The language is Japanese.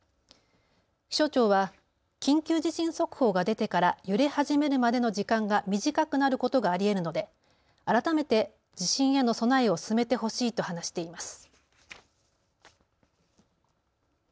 気象庁は緊急地震速報が出てから揺れ始めるまでの時間が短くなることがありえるので改めて地震への備えを進めてほしいと話しています。